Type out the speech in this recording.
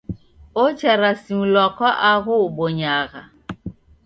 Ocharasimilwa kwa agho ubonyagha.